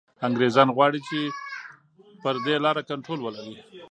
انګریزان غواړي چي پر دې لاره کنټرول ولري.